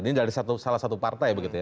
ini dari salah satu partai